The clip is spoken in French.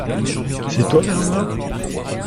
C’était toi, Bernard !